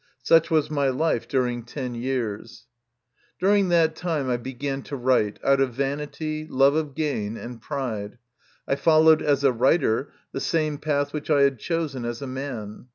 Such was my life during ten years. MY CONFESSION. 11 During that time I began to write, out of vanity, love of gain, and pride. I followed as a writer the same path which I had chosen as a man.